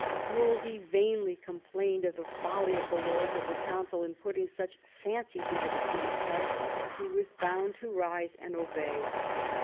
Wolsey vainly complained of the folly of the lords of the Council in putting such fancies into the king's head : he was bound to rise and obey.